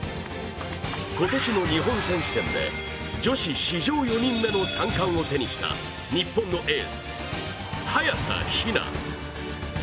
今年の日本選手権で女子史上４人目の３冠を手にした日本のエース・早田ひな。